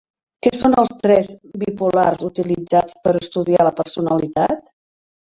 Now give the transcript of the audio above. Què són els trets bipolars utilitzats per estudiar la personalitat?